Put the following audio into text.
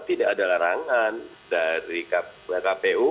ada kejarangan dari kpu